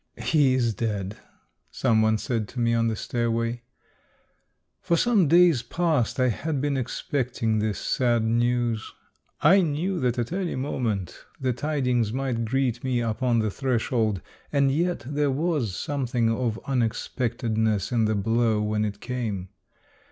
" He is dead !" some one said to me on the stairway. For some days past I had been expecting this sad news. I knew that at any moment the tidings might greet me upon the threshold, and yet there was something of unexpectedness in the blow when it came.